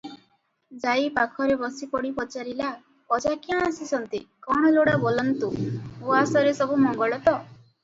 ଯାଇ ପାଖରେ ବସିପଡ଼ି ପଚାରିଲା, "ଅଜା କ୍ୟାଁ ଆସିଛନ୍ତି, କଣ ଲୋଡ଼ା ବୋଲନ୍ତୁ, ଉଆସରେ ସବୁ ମଙ୍ଗଳ ତ?"